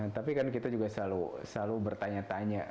tapi kan kita juga selalu bertanya tanya